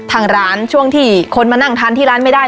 ทางร้านช่วงที่คนมานั่งทานที่ร้านไม่ได้